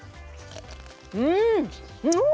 うん！うお！